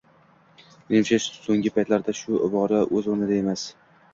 Menimcha, so‘ngi paytlarda shu ibora o‘z o‘rnida emas